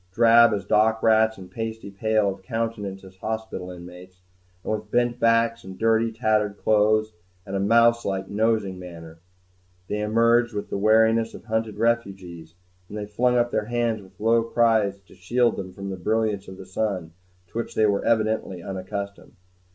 Drab as dock rats, and pasty pale of countenance as hospital inmates, and with bent backs and dirty, tattered clothes and a mouse like nosing manner, they emerged with the wariness of hunted refugees; and they flung up their hands with low cries to shield them from the brilliance of the sun, to which they were evidently unaccustomed.